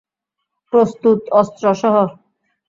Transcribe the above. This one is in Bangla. প্রস্তুত, অস্ত্র সহ।